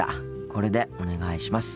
これでお願いします。